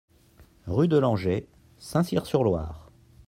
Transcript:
Rue de Langeais, Saint-Cyr-sur-Loire